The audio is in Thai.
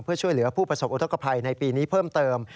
เพื่อช่วยเหลือผู้ประสบอุทธกภัยในปีนี้เพิ่มเติม